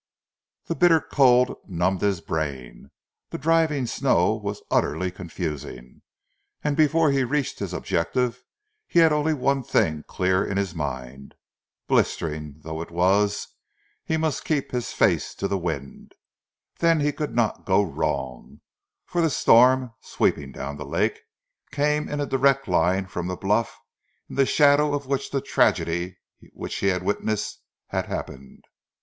The bitter cold numbed his brain; the driving snow was utterly confusing, and before he reached his objective he had only one thing clear in his mind. Blistering though it was, he must keep his face to the wind, then he could not go wrong, for the storm, sweeping down the lake, came in a direct line from the bluff in the shadow of which the tragedy which he had witnessed, had happened.